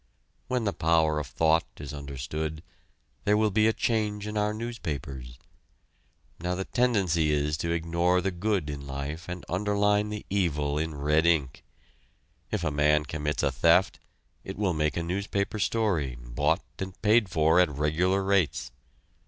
When the power of thought is understood, there will be a change in our newspapers. Now the tendency is to ignore the good in life and underline the evil in red ink. If a man commits a theft, it will make a newspaper story, bought and paid for at regular rates.